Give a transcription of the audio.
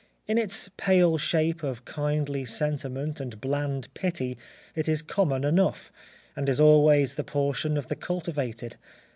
In its pale shape of kindly sentiment and bland pity it is common enough, and is always the portion of the cultivated.